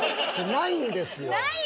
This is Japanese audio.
ないんですか！